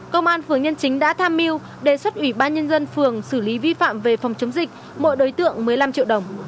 công an phường nhân chính đã tham mưu đề xuất ủy ban nhân dân phường xử lý vi phạm về phòng chống dịch mỗi đối tượng một mươi năm triệu đồng